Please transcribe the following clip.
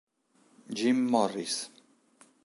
Jim Morris